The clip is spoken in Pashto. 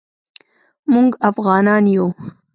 موږ افعانان یو